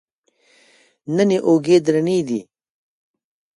نن یې اوږې درنې دي.